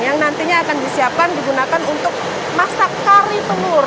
yang nantinya akan disiapkan digunakan untuk masak kari telur